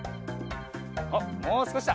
おっもうすこしだ。